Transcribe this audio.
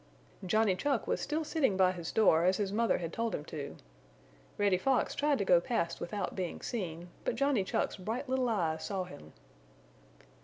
Johnny Chuck was still sitting by his door as his mother had told him to. Reddy Fox tried to go past without being seen, but Johnny Chuck's bright little eyes saw him.